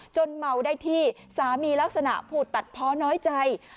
เมาได้ที่สามีลักษณะผูดตัดเพาะน้อยใจ